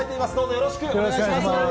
よろしくお願いします。